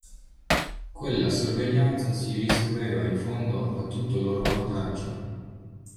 Quella sorveglianza si risolveva, in fondo, a tutto loro vantaggio.